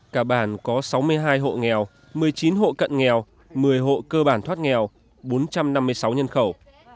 cả bản có sáu mươi hai hộ nghèo một mươi chín hộ cận nghèo một mươi hộ cơ bản thoát nghèo bốn trăm năm mươi sáu nhân khẩu